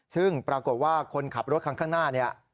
ซึ่งปรากฏว่าคนขับรถข้างหน้า